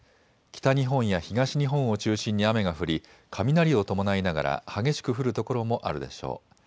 北日本や東日本を中心に雨が降り雷を伴いながら激しく降る所もあるでしょう。